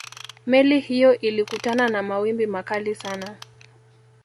meli hiyo ilikutana na mawimbi makali sana